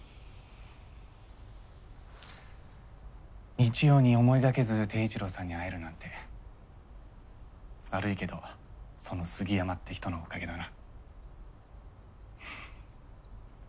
日曜に思いがけず貞一郎さんに会えるなんて悪いけどその杉山って人のおかげだな。